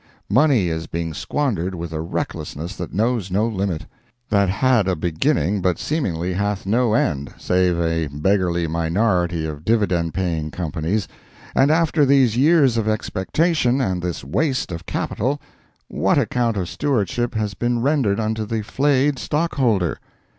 Money is being squandered with a recklessness that knows no limit—that had a beginning, but seemingly hath no end, save a beggarly minority of dividend paying companies—and after these years of expectation and this waste of capital, what account of stewardship has been rendered unto the flayed stock holder?